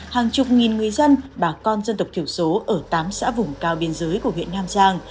hàng chục nghìn người dân bà con dân tộc thiểu số ở tám xã vùng cao biên giới của huyện nam giang